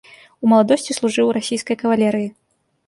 У маладосці служыў у расійскай кавалерыі.